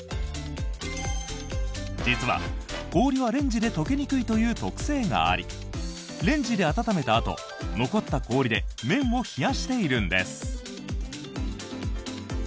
実は、氷はレンジで解けにくいという特性がありレンジで温めたあと残った氷で麺を冷やしているんです。